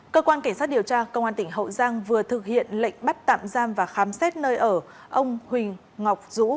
cơ quan cảnh sát điều tra công an tp đà nẵng vừa thực hiện lệnh bắt tạm giam và khám xét nơi ở ông huỳnh ngọc dũ